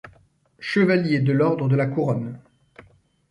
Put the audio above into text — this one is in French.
Chevalier de l'Ordre de la Couronne.